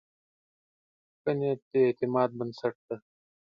ښه نیت د اعتماد بنسټ دی.